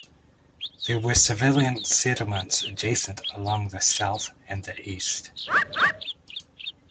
There were Civilian settlements adjacent along the south and the east.